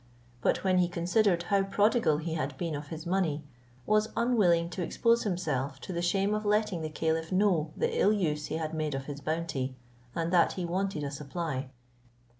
But when he considered how prodigal he had been of his money, was unwilling to expose himself to the shame of letting the caliph know the ill use he had made of his bounty, and that he wanted a supply.